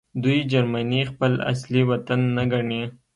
دوی جرمني خپل اصلي وطن نه ګڼي